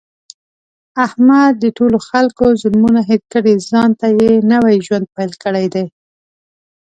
احمد د ټولو خلکو ظلمونه هېر کړي، ځانته یې نوی ژوند پیل کړی دی.